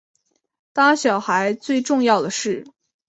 当小孩最重要的事